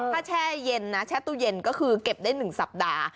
ถ้าแช่เย็นก็คือเก็บได้๑สัปดาห์